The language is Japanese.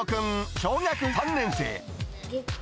小学３年生。